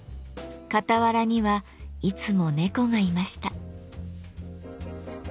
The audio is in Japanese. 傍らにはいつも猫がいました。